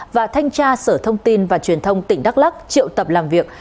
và thanh tra sở thông tin và truyền thông tỉnh đắk lắc triệu tập làm việc